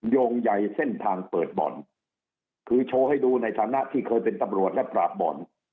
โยงใหญ่เส้นทางเปิดบ่อนคือโชว์ให้ดูในฐานะที่เคยเป็นตำรวจและปราบบ่อน